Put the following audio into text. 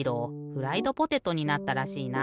フライドポテトになったらしいな。